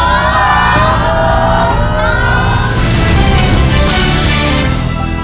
ขอบคุณครับ